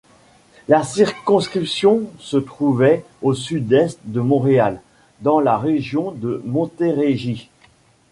La circonscription se trouvait au sud-est de Montréal dans la région de Montérégie.